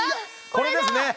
これですね